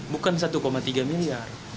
bukan satu tiga miliar